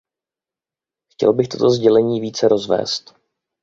Chtěl bych toto sdělení více rozvést.